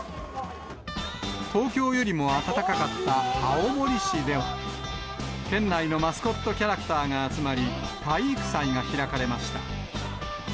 東京よりも暖かかった青森市では、県内のマスコットキャラクターが集まり、体育祭が開かれました。